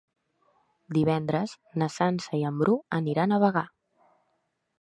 Divendres na Sança i en Bru aniran a Bagà.